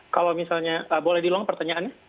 kalau misalnya boleh dilong pertanyaannya